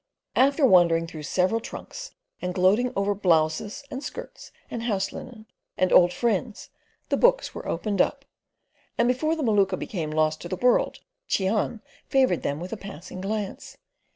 After wandering through several trunks and gloating over blouses, and skirts, and house linen, and old friends the books were opened up, and before the Maluka became lost to the world Cheon favoured them with a passing glance.